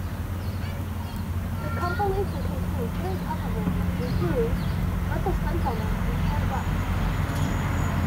The compilation contained three cover versions, including "Let The Sunshine In" and "Hands Up".